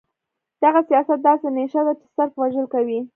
دغه سياست داسې نيشه ده چې صرف وژل کوي.